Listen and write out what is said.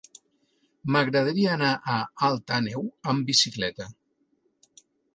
M'agradaria anar a Alt Àneu amb bicicleta.